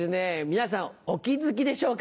皆さんお気付きでしょうか